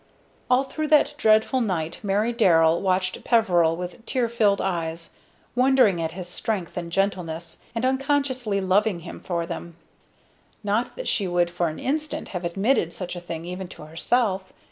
All through that dreadful night Mary Darrell watched Peveril with tear filled eyes, wondering at his strength and gentleness, and unconsciously loving him for them. Not that she would for an instant have admitted such a thing even to herself.